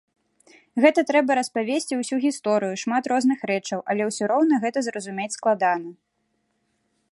Гэта трэба распавесці ўсю гісторыю, шмат розных рэчаў, але ўсё роўна гэта зразумець складана.